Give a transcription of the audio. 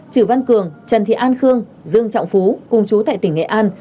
chử văn cường trần thị an khương dương trọng phú cùng chú tại tỉnh nghệ an